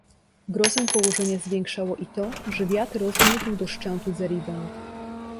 Grozę położenia zwiększało i to, że wiatr rozmiótł do szczętu zeribę.